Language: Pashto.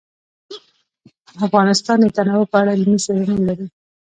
افغانستان د تنوع په اړه علمي څېړنې لري.